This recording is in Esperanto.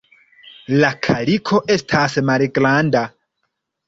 La kaliko estas malgranda.